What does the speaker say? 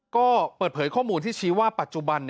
ก็เปิดเผยข้อมูลที่ชี้ว่าปัจจุบัน